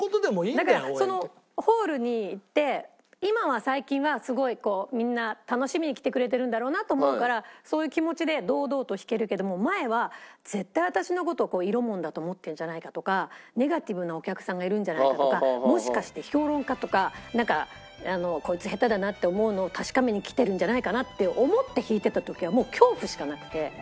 だからそのホールに行って今は最近はすごいこうみんな楽しみに来てくれてるんだろうなと思うからそういう気持ちで堂々と弾けるけども前は絶対私の事色物だと思ってるんじゃないかとかネガティブなお客さんがいるんじゃないかとかもしかして評論家とかなんか「こいつ下手だな」って思うのを確かめに来てるんじゃないかなって思って弾いてた時はもう恐怖しかなくて。